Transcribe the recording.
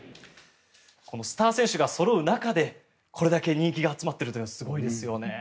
このスター選手がそろう中でこれだけ人気が集まっているというのは、すごいですよね。